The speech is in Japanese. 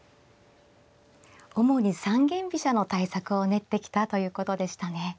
主に三間飛車の対策を練ってきたということでしたね。